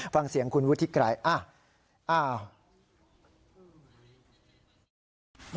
ฟังเสียงคุณวุฒิกรายอ้าว